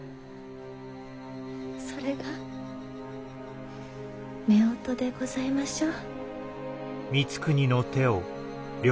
それが夫婦でございましょう？